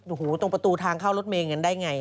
โอ้โหตรงประตูทางเข้ารถเมย์กันได้ไง